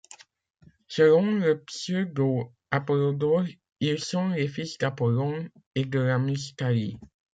Selon le pseudo-Apollodore, ils sont les fils d'Apollon et de la Muse Thalie.